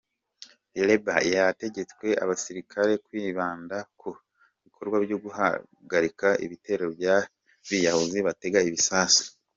Irabor yategetse abasilikare kwibanda ku bikorwa byo guhagarika ibitero by’abiyahuzi batega ibisasu.